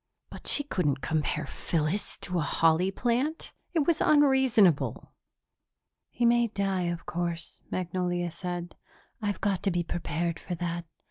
But she couldn't compare Phyllis to a holly plant! It was unreasonable. "He may die, of course," Magnolia said. "I've got to be prepared for that.